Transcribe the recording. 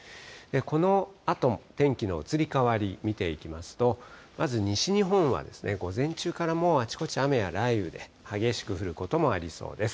このあとの天気の移り変わり見ていきますと、まず西日本は午前中からもうあちこち雨や雷雨で、激しく降ることもありそうです。